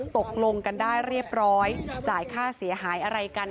ตกลงกันได้เรียบร้อยจ่ายค่าเสียหายอะไรกัน